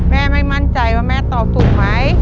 แม่ไม่มั่นใจว่าแม่ตอบถูกไหม